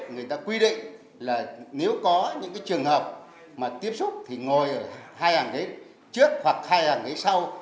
nếu có những trường hợp mà tiếp xúc thì ngồi ở hai hàng đấy trước hoặc hai hàng đấy sau